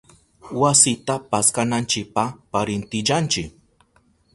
Wasita paskananchipa parintillanchi.